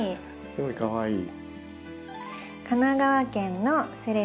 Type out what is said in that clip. すごいかわいい。